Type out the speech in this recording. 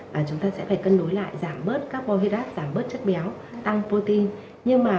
và chúng ta sẽ phải cân đối lại giảm bớt các bói huyết ác giảm bớt chất béo tăng protein nhưng mà